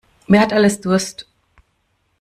Wer hat alles Durst?